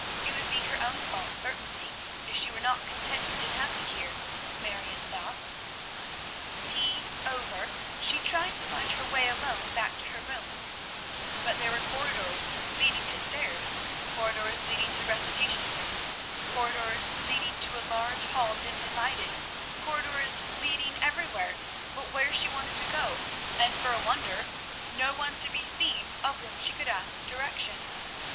It would be her own fault certainly if she were not contented and happy here, Marion thought. Tea over, she tried to find her way alone back to her room, but there were corridors leading to stairs, corridors leading to recitation rooms, corridors leading to a large hall dimly lighted, corridors leading everywhere but where she wanted to go, and, for a wonder, no one to be seen of whom she could ask direction.